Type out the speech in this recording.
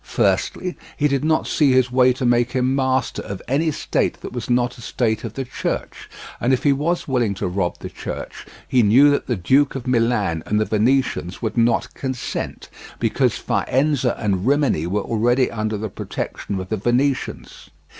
Firstly, he did not see his way to make him master of any state that was not a state of the Church; and if he was willing to rob the Church he knew that the Duke of Milan and the Venetians would not consent, because Faenza and Rimini were already under the protection of the Venetians.